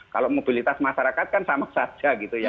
kalau mobilitas masyarakat kan sama saja gitu ya